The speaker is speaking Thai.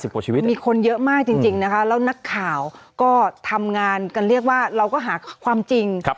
กว่าชีวิตมีคนเยอะมากจริงนะคะแล้วนักข่าวก็ทำงานกันเรียกว่าเราก็หาความจริง